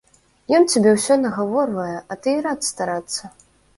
Ён цябе ўсё нагаворвае, а ты і рад старацца.